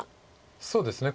そうですね